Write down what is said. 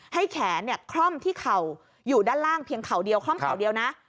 ให้แขนคล่อมที่เข่าอยู่ด้านล่างเพียงเข่าเดียวคล่อมเข่าเดียวนะ